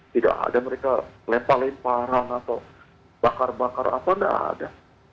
tidak ada mereka lempar lemparan atau bakar bakar apa tidak ada